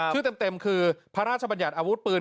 ชื่อเต็มคือพระราชบัญญัติอาวุธปืน